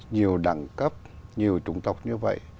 nhiều đẳng cấp nhiều trung tộc như vậy